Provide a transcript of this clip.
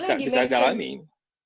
tapi kan sebetulnya dimensi